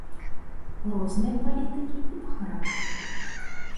Розныя палітыкі і па характары.